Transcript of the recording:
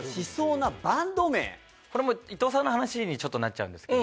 これも伊藤さんの話にちょっとなっちゃう。